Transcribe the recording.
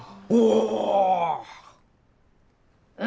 お！